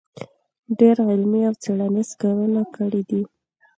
ډېر علمي او څېړنیز کارونه کړي دی